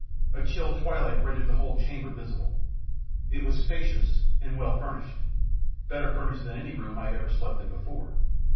A chill twilight rendered the whole chamber visible. It was spacious and well furnished, better furnished than any room I had ever slept in before.